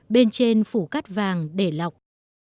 bên trên phủ cát vàng để lọc